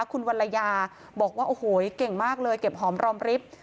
คุณวัลยาบอกว่าโอ้โหเก่งมากเลยเก็บหอมรอมริฟท์